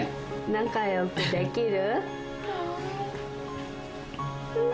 仲良くできる？